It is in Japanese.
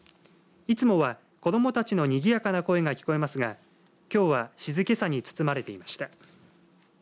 いつもは子どもたちのにぎやかな声が聞こえますがきょうは静けさに包まれていました。